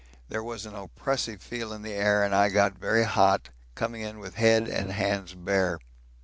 There was an oppressive feel in the air and I got very hot, coming in with head and hands bare.